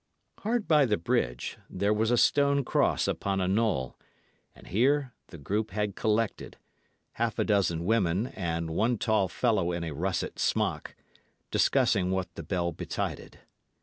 Hard by the bridge, there was a stone cross upon a knoll, and here the group had collected half a dozen women and one tall fellow in a russet smock discussing what the bell betided.